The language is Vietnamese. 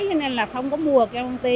cho nên là không có mua cái công ty